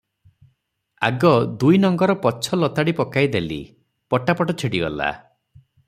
ଆଗ ଦୁଇ ନଙ୍ଗର ପଛ ଲତାଡ଼ି ପକାଇ ଦେଲି, ପଟାପଟ ଛିଡ଼ିଗଲା ।